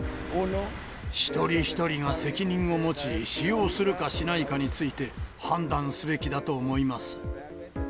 一人一人が責任を持ち、使用するかしないかについて、判断すべきだと思います。